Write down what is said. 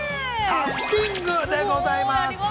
タフティングでございます。